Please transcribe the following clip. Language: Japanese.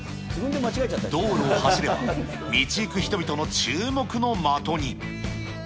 道路を走れば、道行く人々の注目の的に。